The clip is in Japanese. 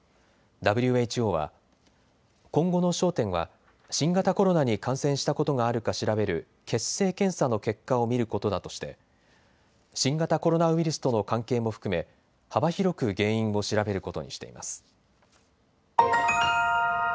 ＷＨＯは、今後の焦点は新型コロナに感染したことがあるか調べる血清検査の結果を見ることだとして新型コロナウイルスとの関係も含め幅広く原因を調べることにしています。